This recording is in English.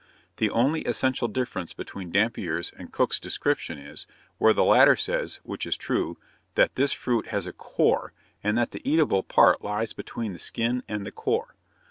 The only essential difference between Dampier's and Cook's description is, where the latter says, which is true, that this fruit has a core, and that the eatable part lies between the skin and the core.